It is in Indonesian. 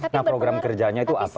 nah program kerjanya itu apa